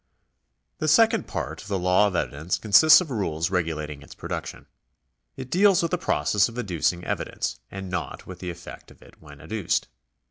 The second part of the law of evidence consists of rules regulating its production. It deals with the process of adducing evidence, and not with the effect of it when adduced.